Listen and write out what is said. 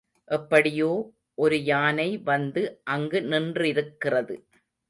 எப்படியோ ஒரு யானை வந்து அங்கு நின்றிருக்கிறது.